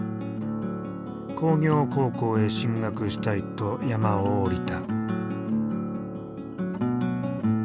工業高校へ進学したいと山を下りた。